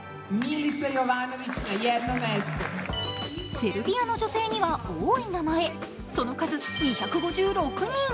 セルビアの女性には多い名前、その数２５７人。